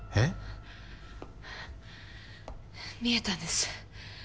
見えたんです。